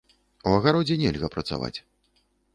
У агародзе нельга працаваць.